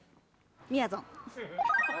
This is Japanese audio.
みやぞん。